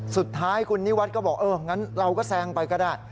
สุดท้ายคุณนิวัฒน์ก็บอกเอองั้นเราก็แซงไปก็ได้